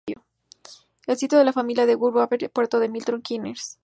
El sitio de la familia es Woburn Abbey, puerto de Milton Keynes, Buckinghamshire.